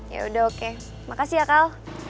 yaudah oke makasih ya ekal